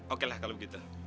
okelah kalau begitu